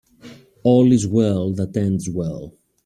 All's well that ends well